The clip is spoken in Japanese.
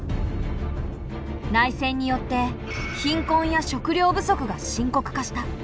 内戦によって貧困や食糧不足が深刻化した。